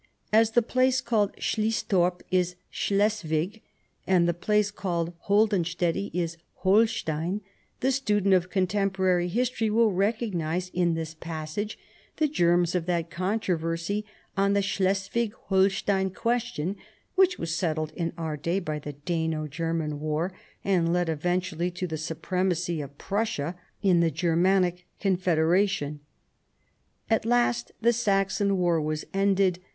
As "the place called Sliesthorp " is Schles wig, and " the place called Holdunsteti " is Holstein, the student of contemporary history will recognize in this passage the germs of that controversy on "the Schleswig Holstein question " which was settled in our day by the Dano German war and led eventually to the supremacy of Prussia in the Germanic Con federation.* At last the Saxon war was ended.